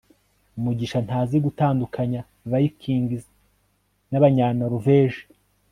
mugisha ntazi gutandukanya vikings n'abanyanoruveje